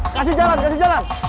kasih jalan kasih jalan